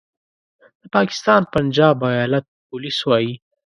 د پاکستان پنجاب ایالت پولیس وايي